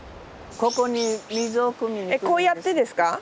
こうやってですか？